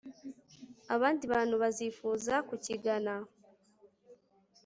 abandi bantu bazifuza kukigana